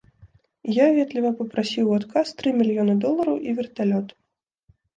Я ветліва прасіў у адказ тры мільёны долараў і верталёт.